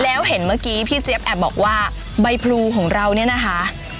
แล้วเห็นเมื่อกี้พี่เจี๊ยบแอบบอกว่าใบพลูของเราเนี่ยนะคะ